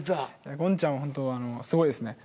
ゴンちゃんはほんとすごいですね。